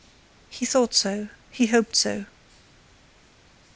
He thought so, he hoped so.